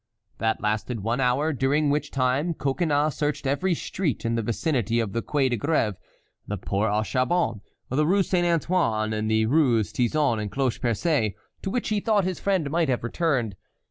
That lasted one hour, during which time Coconnas searched every street in the vicinity of the Quay of the Grève, the Port au Charbon, the Rue Saint Antoine, and the Rues Tizon and Cloche Percée, to which he thought his friend might have returned.